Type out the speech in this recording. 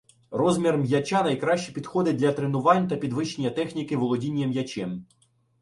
Розмір м'яча найкраще підходить для тренувань та підвищення техніки володіння м'ячем.